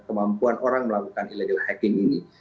kemampuan orang melakukan illegal hacking ini